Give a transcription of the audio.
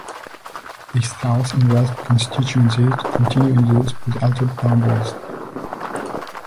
The South and West constituencies continue in use, with altered boundaries.